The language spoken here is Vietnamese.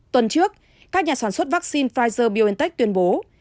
tuần trước các nhà sản xuất vaccine pfizer biontech tuyên bố